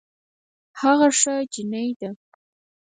هغه ښه جينۍ ده